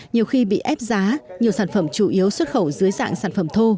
nhiều khi bị ép giá nhiều sản phẩm chủ yếu xuất khẩu dưới dạng sản phẩm thô